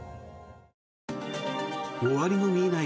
終わりの見えない